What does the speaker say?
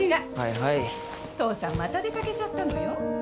父さんまた出掛けちゃったのよ。